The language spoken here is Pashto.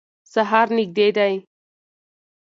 سهار نږدې دی.